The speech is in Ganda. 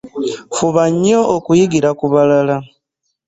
Fuba nnyo okuyigira ku balala.